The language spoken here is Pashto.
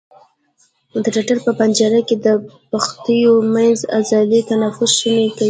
د ټټر په پنجره کې د پښتیو منځ عضلې تنفس شونی کوي.